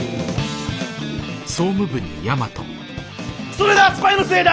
それだスパイのせいだ！